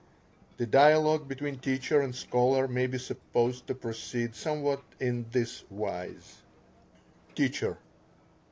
The dialogue between teacher and scholar may be supposed to proceed somewhat in this wise: _Teacher.